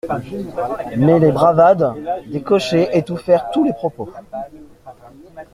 Mais les bravades des cochers étouffèrent tous les propos.